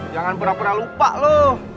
jangan pernah perlah lupa lo